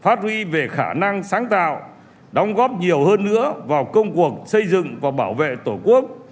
phát huy về khả năng sáng tạo đóng góp nhiều hơn nữa vào công cuộc xây dựng và bảo vệ tổ quốc